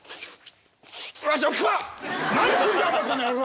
何すんだよこの野郎！